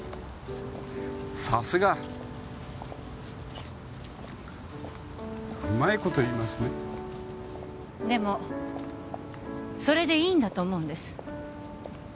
さすがうまいこと言いますねでもそれでいいんだと思うんです